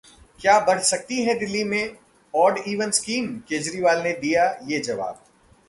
क्या बढ़ सकती है दिल्ली में ऑड इवन स्कीम? केजरीवाल ने दिया ये जवाब